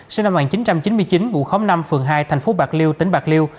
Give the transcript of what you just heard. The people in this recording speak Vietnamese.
sẽ năm một nghìn chín trăm chín mươi chín mùa khóng năm phường hai thành phố bạc liêu tỉnh bạc liêu